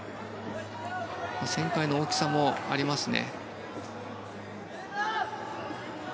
旋回の大きさもありますね。